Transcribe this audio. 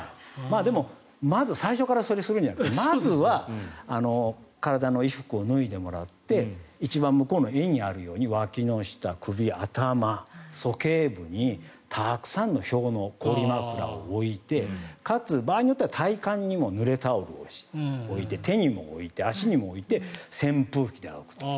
でも、最初からそれをするんじゃなくてまずは体の衣服を脱いでもらって一番向こうの絵にあるようにわきの下、首、頭、鼠径部にたくさんの氷のう氷枕を置いてかつ、場合によっては体幹にもぬれタオルを置いて手にも置いて、足にも置いて扇風機であおぐと。